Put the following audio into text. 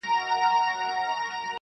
هر څوک يې په خپل نظر ګوري,